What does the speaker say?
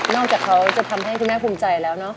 นอกจากเขาจะทำให้คุณแม่ภูมิใจแล้ว